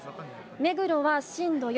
目黒は震度４。